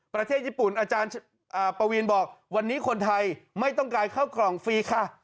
ประเทศญี่ปุ่นอาจารย์ปวีนบอกวันนี้คนไทยไม่ต้องการเข้ากล่องฟรีค่ะ